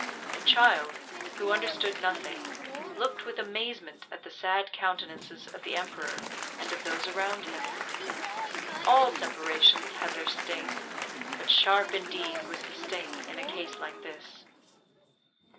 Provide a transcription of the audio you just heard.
The child, who understood nothing, looked with amazement at the sad countenances of the Emperor, and of those around him. All separations have their sting, but sharp indeed was the sting in a case like this.